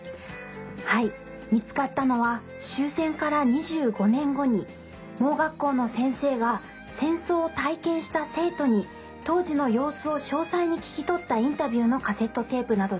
はい見つかったのは終戦から２５年後に盲学校の先生が戦争を体験した生徒に当時の様子を詳細に聞き取ったインタビューのカセットテープなどです。